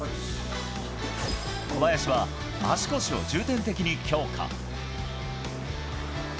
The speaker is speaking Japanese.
小林は足腰を重点的に強化。